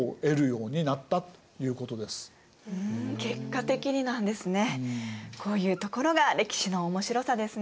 こういうところが歴史の面白さですね。